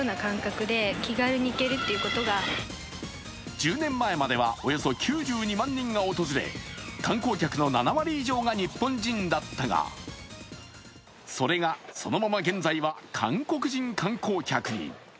１０年前まではおよそ９２万人が訪れ、観光客の７割以上が日本人だったがそれが、そのまま現在は韓国人観光客に。